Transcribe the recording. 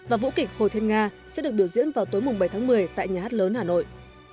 và vũ kịch hồ thiên nga sẽ được biểu diễn vào tối bảy tháng một mươi tại nhà hát lớn hà nội